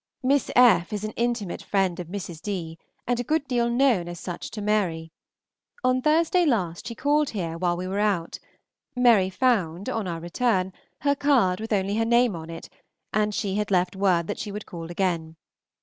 Miss F. is an intimate friend of Mrs. D., and a good deal known as such to Mary. On Thursday last she called here while we were out. Mary found, on our return, her card with only her name on it, and she had left word that she would call again.